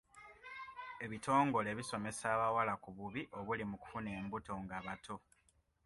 Ebitongole bisomesa abawala ku bubi obuli mu kufuna embuto nga bato.